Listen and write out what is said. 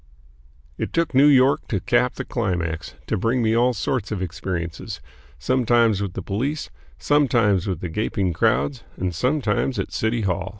It took New York to cap the climax to bring me all sorts of experiences, sometimes with the police, sometimes with the gaping crowds, and sometimes at the City Hall.